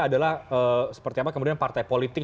adalah seperti apa kemudian partai politik